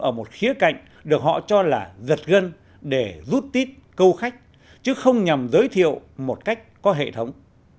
ở một khía cạnh được họ cho là giật gân để rút tít câu khách chứ không nhằm giới thiệu một cách có hệ thống